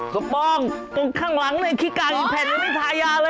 ซูปป้องข้างหลังเลยคิดการอีกแผ่นนึกไม่ทายาเลย